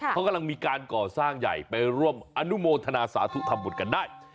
เขากำลังมีการก่อสร้างใหญ่ไปร่วมอนุโมทนาสาธุทำบุตรกันได้